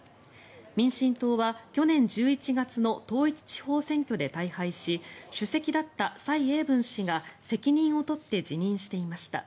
民進党は去年１１月の統一地方選挙で大敗し主席だった蔡英文氏が責任を取って辞任していました。